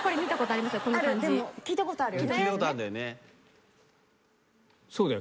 聴いたことあるよね。